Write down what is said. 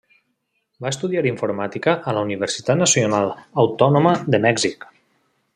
Va estudiar informàtica a la Universitat Nacional Autònoma de Mèxic.